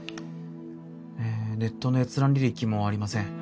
えネットの閲覧履歴もありません。